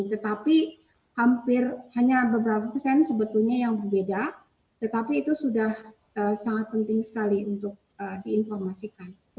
tetapi hampir hanya beberapa kesan sebetulnya yang berbeda tetapi itu sudah sangat penting sekali untuk diinformasikan